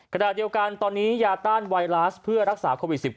ขณะเดียวกันตอนนี้ยาต้านไวรัสเพื่อรักษาโควิด๑๙